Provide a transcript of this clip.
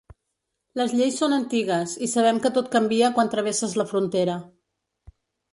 Les lleis són antigues i sabem que tot canvia quan travesses la frontera.